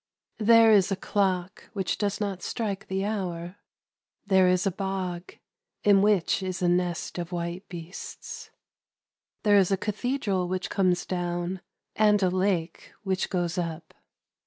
There is :i clock which does not strike the hour. There is a bog in which is a nest of white bea l'h. athedral which conies down, and a hike which up.